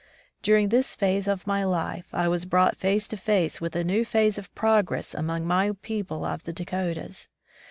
During this phase of my life, I was brought face to face with a new phase of progress among my people of the Dakotas.